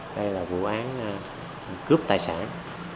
đây là vụ án cướp tài sản